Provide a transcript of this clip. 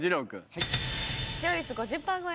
はい。